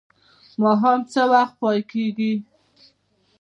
ماښام څه وخت پای کیږي؟